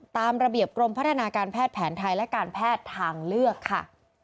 ตามระเบียบกรมพัฒนาการแพทย์แผนไทยและการแพทย์ทางเลือกค่ะ